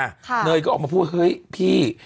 เหนื่อยก็ออกมาพูดเฮ้ยพี่